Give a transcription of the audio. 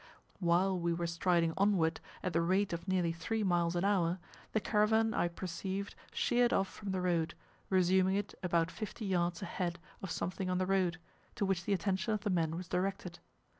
While we were striding onward, at the rate of nearly three miles an hour, the caravan I perceived sheered off from the road, resuming it about fifty yards ahead of something on the road, to which the attention of the men was directed.